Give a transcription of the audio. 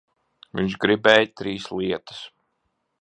Viņš gribēja trīs lietas.